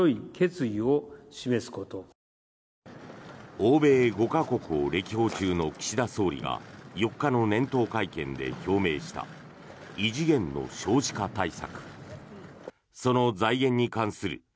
欧米５か国を歴訪中の岸田総理が４日の年頭会見で表明した異次元の少子化対策。